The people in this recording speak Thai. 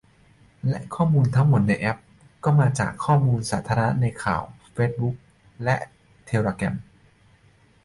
และข้อมูลทั้งหมดในแอปก็มาจากข้อมูลสาธารณะในข่าว เฟซบุ๊ก และเทเลแกรม